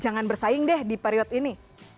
jangan bersaing deh di period ini